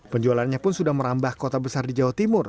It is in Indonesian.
penjualannya pun sudah merambah kota besar di jawa timur